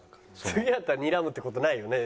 次会ったらにらむって事ないよね？